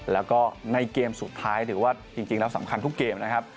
แล้วก็ในเกมสุดท้ายถือว่าจริงแล้วสำคัญทุกเกมนะครับ